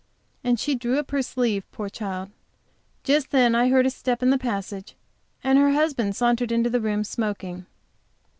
And she drew up her sleeve, poor child. Just then I heard a step in the passage, and her husband sauntered into the room, smoking.